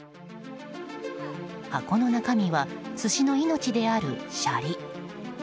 箱の中身は寿司の命であるシャリ。